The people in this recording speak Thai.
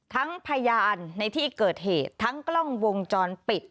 พยานในที่เกิดเหตุทั้งกล้องวงจรปิด